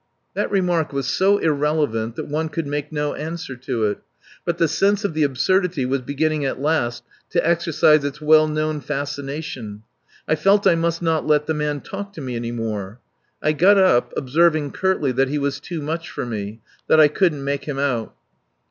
That remark was so irrelevant that one could make no answer to it. But the sense of the absurdity was beginning at last to exercise its well known fascination. I felt I must not let the man talk to me any more. I got up, observing curtly that he was too much for me that I couldn't make him out.